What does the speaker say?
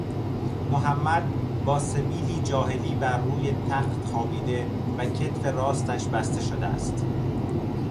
محمد با سبیلی جاهلی بر روی تخت خوابیده و کتف راستش بسته شده است